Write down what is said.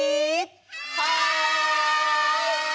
はい！